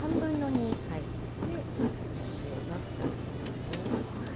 でお塩が２つまみ。